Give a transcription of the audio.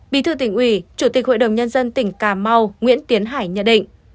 bí thư tỉnh ủy chủ tịch hội đồng nhân dân tỉnh cà mau nguyễn tiến hải nhận định